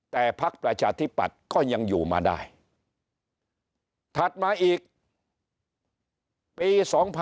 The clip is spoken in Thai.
แต่พักประชาธิปัตย์ก็ยังอยู่มาได้ถัดมาอีกปี๒๕๖๒